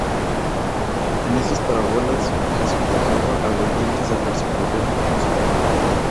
En esas parábolas, Jesús dejaba al oyente sacar su propia conclusión.